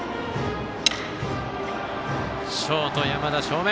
ショート、山田、正面。